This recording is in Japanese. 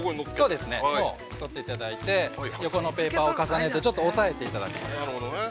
◆そうですね、取っていただいて横のペーパーを重ねてちょっと押さえていただく。